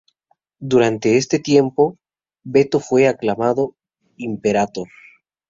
Durante este tiempo Veto fue aclamado "imperator".